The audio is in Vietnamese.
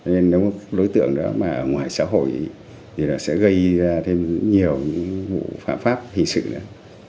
nên đối tượng đó mà ở ngoài xã hội thì là sẽ gây ra thêm nhiều vụ phạm pháp hình sự đó